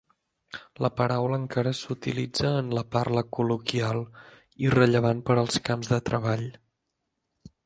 La paraula encara s'utilitza en la parla col·loquial, irrellevant per als camps de treball.